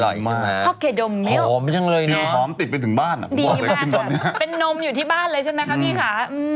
อร่อยมากฮอกแก่ดมมิลล์หอมจังเลยเนี่ยดีมากเป็นนมอยู่ที่บ้านเลยใช่ไหมครับพี่คะ